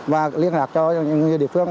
và liên lạc cho những người địa phương